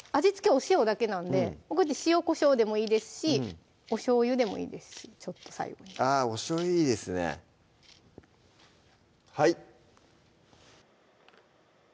お塩だけなんで塩・こしょうでもいいですしおしょうゆでもいいですしちょっと最後にあっおしょうゆいいですねはい！